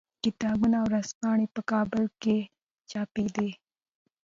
کتابونه او ورځپاڼې په کابل کې چاپېدې.